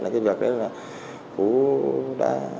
là cái việc đấy là phú đã